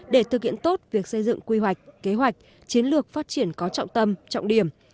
để thực hiện tốt việc xây dựng quy hoạch kế hoạch chiến lược phát triển có trọng tâm trọng điểm